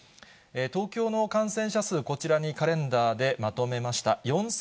東京の感染者数、こちらにカレンダーでまとめました。